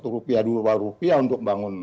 satu rupiah dua rupiah untuk bangun